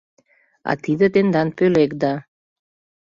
А тиде тендан пӧлекда...